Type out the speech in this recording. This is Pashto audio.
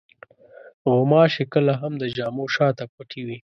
غوماشې کله هم د جامو شاته پټې وي.